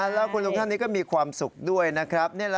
แล้วคุณลุงท่านนี้ก็มีความสุขด้วยนะครับ